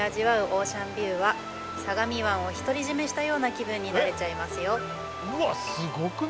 オーシャンビューは相模湾を独り占めしたような気分になれちゃいますよ